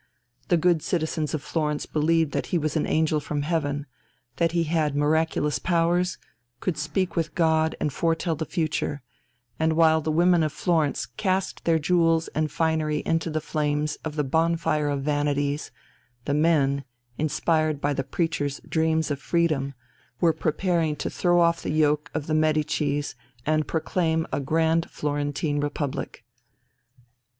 The good citizens of Florence believed that he was an angel from heaven, that he had miraculous powers, could speak with God and foretell the future; and while the women of Florence cast their jewels and finery into the flames of the "bonfire of vanities," the men, inspired by the preacher's dreams of freedom, were preparing to throw off the yoke of the Medicis and proclaim a grand Florentine Republic.